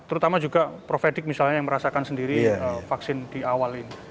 terutama juga prof edik misalnya yang merasakan sendiri vaksin di awal ini